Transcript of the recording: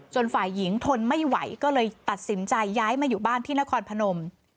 ฝ่ายหญิงทนไม่ไหวก็เลยตัดสินใจย้ายมาอยู่บ้านที่นครพนม